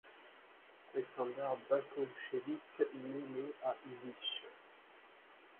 Aleksandar Bakočević naît le à Užice.